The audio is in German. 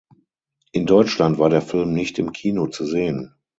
In Deutschland war der Film nicht im Kino zu sehen.